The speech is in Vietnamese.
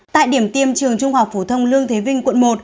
tại điểm tiêm trường trung học phổ thông lương thế vinh quận một